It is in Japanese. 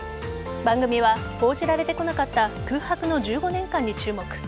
番組は報じられてこなかった空白の１５年間に注目。